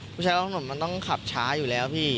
ผู้ชายว่าถนนมันต้องขับช้าอยู่แล้วพี่